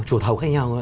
chủ thầu khác nhau